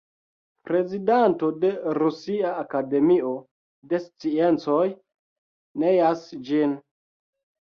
Prezidanto de Rusia Akademio de Sciencoj neas ĝin.